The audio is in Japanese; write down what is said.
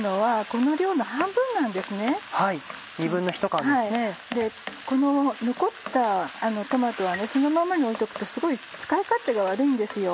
この残ったトマトはそのまま置いておくとすごい使い勝手が悪いんですよ。